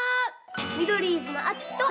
ミドリーズのあつきと。